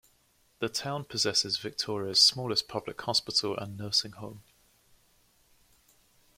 The town possesses Victoria's smallest public hospital and nursing home.